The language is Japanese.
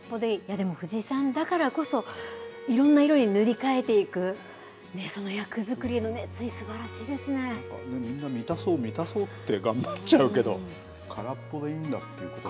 でも藤さんだからこそ、いろんな色に塗り替えていく、その役作りの熱意、満たそう、満たそうって頑張っちゃうけど、空っぽでいいんだということで。